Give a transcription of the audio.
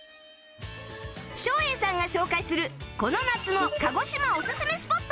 照英さんが紹介するこの夏の鹿児島オススメスポット